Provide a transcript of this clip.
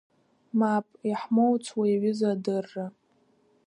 Мап, иаҳмоуц уи аҩыза адырра…